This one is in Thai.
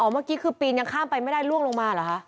เมื่อกี้คือปีนยังข้ามไปไม่ได้ล่วงลงมาเหรอคะ